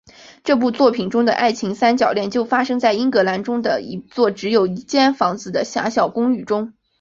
这部作品中的爱情三角恋就发生在英格兰中部的一座只有一间房子的狭小公寓中。